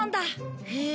へえ。